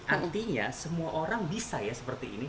artinya semua orang bisa ya seperti ini